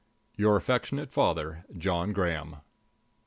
Your affectionate father, JOHN GRAHAM.